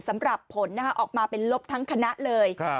สำหรับผลออกมาเป็นลบทั้งคณะเลย